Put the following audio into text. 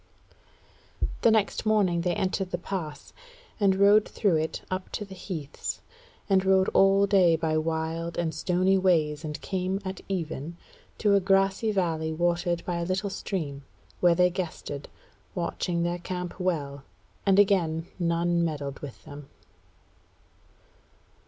The next morning they entered the pass, and rode through it up to the heaths, and rode all day by wild and stony ways and came at even to a grassy valley watered by a little stream, where they guested, watching their camp well; and again none meddled with them.